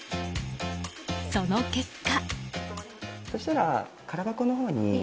その結果。